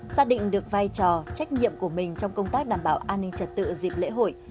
xác định được vai trò trách nhiệm của mình trong công tác đảm bảo an ninh trật tự dịp lễ hội